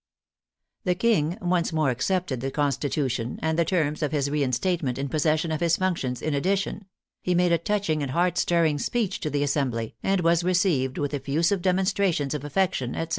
The King once more accepted the Constitution and the terms of his reinstatement in possession of his functions in addi tion ; he made a touching and heart stirring speech to the Assembly and was received with effusive demonstrations of affection, etc.